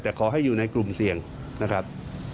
แต่ขอให้อยู่ในกลุ่มเสี่ยงนะครับ